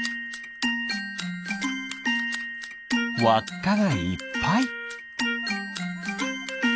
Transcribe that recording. わっかがいっぱい。